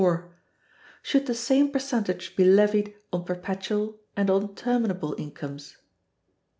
Should the same percentage be levied on Perpetual and on Terminable Incomes?